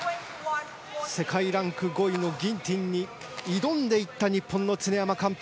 世界ランク５位のギンティンに挑んでいった日本の常山幹太。